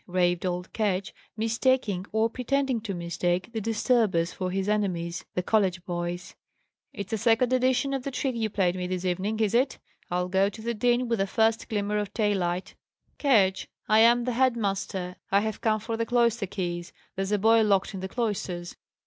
raved old Ketch, mistaking, or pretending to mistake, the disturbers for his enemies, the college boys. "It's a second edition of the trick you played me this evening, is it? I'll go to the dean with the first glimmer o' daylight " "Ketch, I am the head master. I have come for the cloister keys. There's a boy locked in the cloisters!"